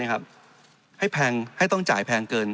ให้ต้องจ่ายแพงเกิน